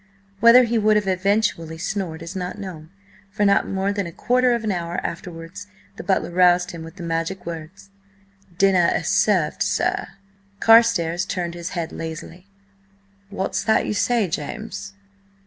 Whether he would have eventually snored is not known, for not more than a quarter of an hour afterwards the butler roused him with the magic words: "Dinner is served, sir." Carstares turned his head lazily. "What's that you say, James?"